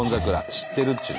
知ってるっちゅうの。